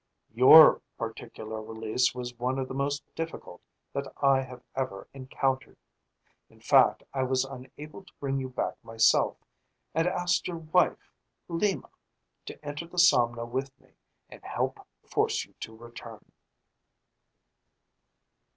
"Your particular release was one of the most difficult that I have ever encountered. In fact, I was unable to bring you back myself, and asked your wife, Lima, to enter the somno with me and help force you to return."